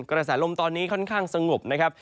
กระแสลมตอนนี้ค่อนข้างสงบนะครับ